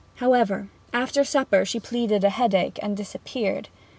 However, after supper she pleaded a headache, and disappeared.